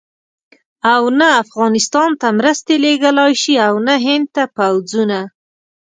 او نه افغانستان ته مرستې لېږلای شي او نه هند ته پوځونه.